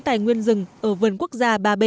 tài nguyên rừng ở vườn quốc gia ba bể